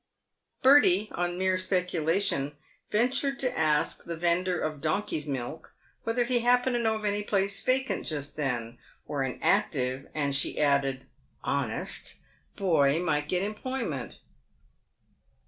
Bertie, on mere speculation, ventured to ask the vendor of donkey*s milk whether he happened to know of any place vacant just then, where an active, and she added " honest," boy might get employ ment.